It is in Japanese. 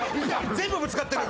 全部ぶつかってる！